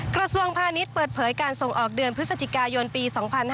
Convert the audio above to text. กระทรวงพาณิชย์เปิดเผยการส่งออกเดือนพฤศจิกายนปี๒๕๕๙